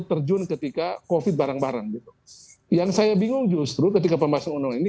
terjun ketika covid barang barang yang saya bingung justru ketika pembahasan undang ini